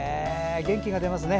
元気が出ますね。